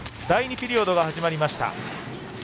第２ピリオドが始まりました。